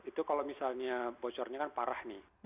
itu kalau misalnya bocornya kan parah nih